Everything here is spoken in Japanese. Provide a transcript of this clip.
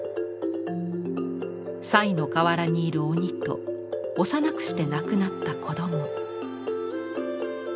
賽の河原にいる鬼と幼くして亡くなった子ども。